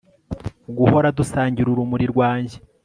guhora dusangira urumuri rwanjye